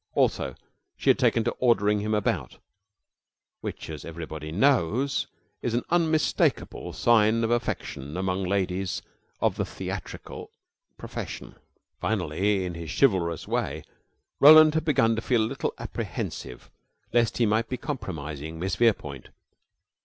Also, she had taken to ordering him about, which, as everybody knows, is an unmistakable sign of affection among ladies of the theatrical profession. Finally, in his chivalrous way, Roland had begun to feel a little apprehensive lest he might be compromising Miss Verepoint.